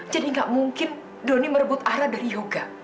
jadi gak mungkin doni merebut ara dari yoga